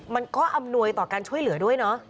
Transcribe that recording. อำนวยต่อการช่วยเหลือด้วยเนาะ